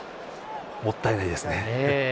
もったいないですね。